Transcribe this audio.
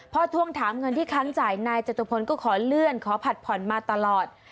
พอทวงถามเงินที่ค้างจ่ายนายจตุพลก็ขอเลื่อนขอผัดผ่อนมาตลอด